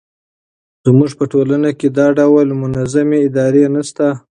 زموږ په ټولنه کې دا ډول منظمې ادارې نه شته.